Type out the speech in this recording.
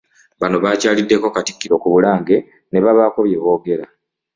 Bano bakyaliddeko katikkiro ku Bulange ne babaako bye boogera